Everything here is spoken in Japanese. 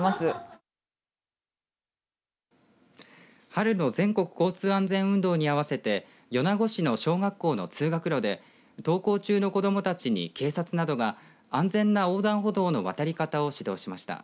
春の全国交通安全運動に合わせて米子市の小学校の通学路で登校中の子どもたちに警察などが安全な横断歩道の渡り方を指導しました。